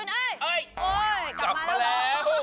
เอ๊ยกลับมาแล้ว